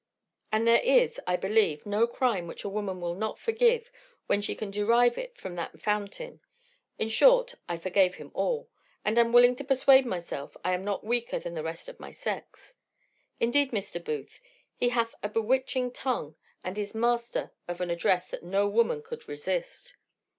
And there is, I believe, no crime which a woman will not forgive, when she can derive it from that fountain. In short, I forgave him all, and am willing to persuade myself I am not weaker than the rest of my sex. Indeed, Mr. Booth, he hath a bewitching tongue, and is master of an address that no woman could resist.